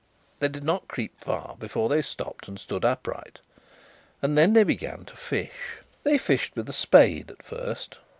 They did not creep far, before they stopped and stood upright. And then they began to fish. They fished with a spade, at first.